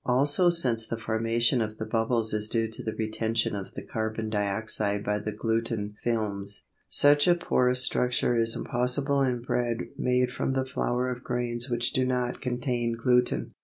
Also since the formation of the bubbles is due to the retention of the carbon dioxide by the gluten films, such a porous structure is impossible in bread made from the flour of grains which do not contain gluten.